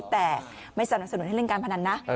แต่ไม่สนับสนุนให้เล่นการพนันนะ